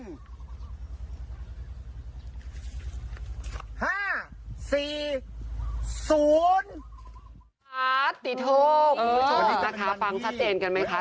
ห้าสี่ศูนย์ติโทษเออนะคะฟังชัดเจนกันไหมค่ะ